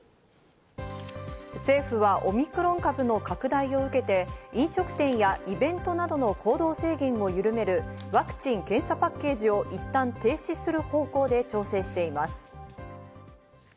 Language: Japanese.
政府はオミクロン株の拡大を受けて、飲食店やイベントなどの行動制限を緩める、ワクチン・検査パッケージをいったん停止する方向で調整しています。